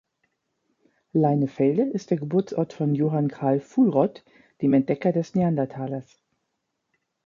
Leinefelde ist der Geburtsort von Johann Carl Fuhlrott, dem Entdecker des Neanderthalers.